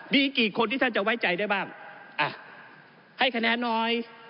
มีกี่คนที่ท่านจะไว้ใจได้บ้างอ่ะให้คะแนนน้อย